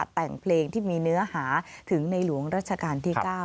แต่งเพลงที่มีเนื้อหาถึงในหลวงรัชกาลที่๙